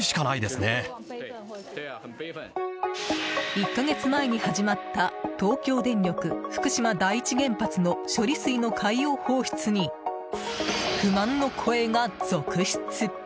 １か月前に始まった東京電力福島第一原発の処理水の海洋放出に不満の声が続出！